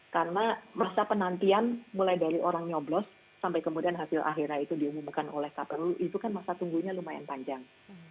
karena masa penantian mulai dari orang nyoblos sampai kemudian hasil akhirnya itu diumumkan oleh kpu itu kan masa tunggu nya lumayan panjang